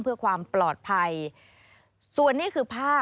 สวัสดีค่ะสวัสดีค่ะ